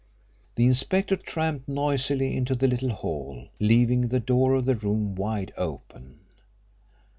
The inspector tramped noisily into the little hall, leaving the door of the room wide open.